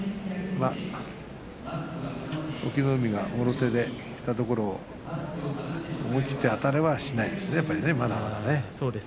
隠岐の海がもろ手できたところを思い切ってあたれはしないですねまだまだね。